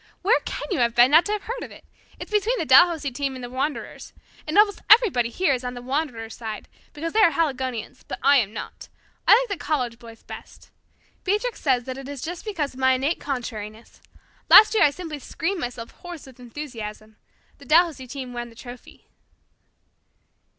"Where can you have been not to have heard of it? It's between the Dalhousie team and the Wanderers. Almost everybody here is on the Wanderers' side, because they are Haligonians, but I am not. I like the college boys best. Beatrix says that it is just because of my innate contrariness. Last year I simply screamed myself hoarse with enthusiasm. The Dalhousie team won the trophy."